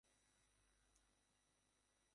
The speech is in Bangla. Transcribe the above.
রাত্রিবেলায় উন্মুক্ত মঞ্চে আলকাপের অনুষ্ঠান বসে।